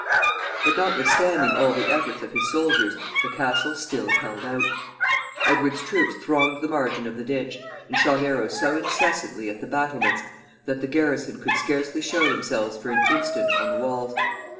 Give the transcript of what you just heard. But, notwithstanding all the efforts of his soldiers, the castle still held out. Edward's troops thronged the margin of the ditch, and shot arrows so incessantly at the battlements that the garrison could scarcely show themselves for an instant on the walls.